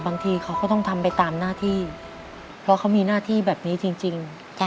บางทีเขาก็ต้องทำไปตามหน้าที่เพราะเขามีหน้าที่แบบนี้จริง